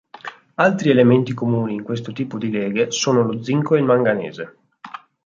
Altri elementi comuni in questo tipo di leghe sono lo zinco e il manganese.